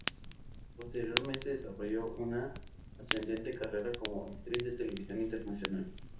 Posteriormente desarrolló una ascendente carrera como actriz de televisión internacional.